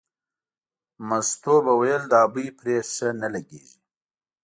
مستو به ویل دا بوی پرې ښه نه لګېږي.